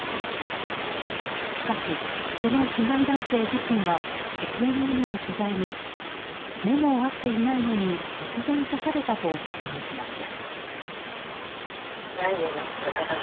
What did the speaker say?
しかし、その被害男性自身はＦＮＮの取材に目も合っていないのに、突然刺されたと説明しました。